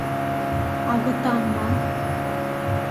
— Агытан ман...